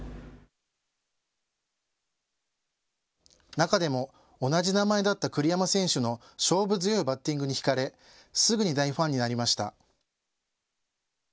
中でも同じ名前だった栗山選手の勝負強いバッティングに引かれ、すぐに大ファンになりました。